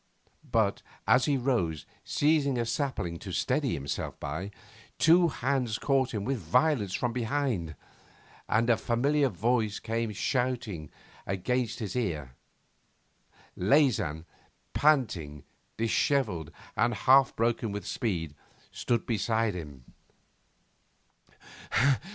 But, as he rose, seizing a sapling to steady himself by, two hands caught him with violence from behind, and a familiar voice came shouting against his ear. Leysin, panting, dishevelled and half broken with the speed, stood beside him.